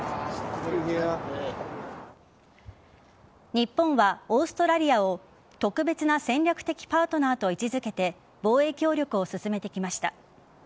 日本はオーストラリアを特別な戦略的パートナーと位置付けて防衛協力を進めてきました。